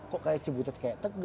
kok kayak cibutet kayak tega